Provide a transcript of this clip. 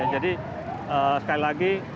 jadi sekali lagi